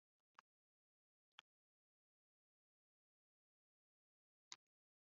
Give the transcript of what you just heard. Ad s-tiniḍ d Lunja tmeṭṭut-nni.